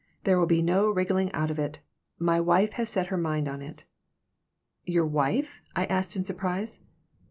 There will be no wriggling out of it. My wife has set her mind on it." "Your wife?" I asked in surprise.